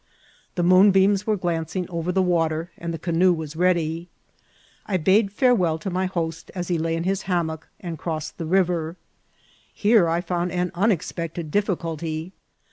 The moonbeams were glancing orer the wa ter, and the canoe was ready. I bade fiirewell to my host as he lay in his hammock, and crossed the riyer. Here I found an uiexpected difficulty.